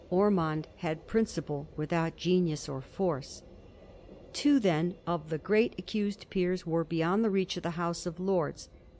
Ormond had principle without genius or force. Two, then, of the great accused peers were beyond the reach of the House of Lords.